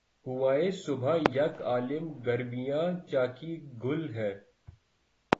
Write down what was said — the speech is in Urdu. ہوائے صبح یک عالم گریباں چاکی گل ہے